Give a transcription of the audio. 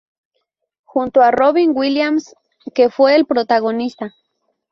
Junto a Robin Williams, que fue el protagonista.